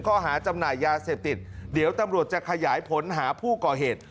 ข้อหาจำหน่ายยาเสพติดเดี๋ยวตำรวจจะขยายผลหาผู้ก่อเหตุ